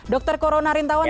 dokter corona rintawan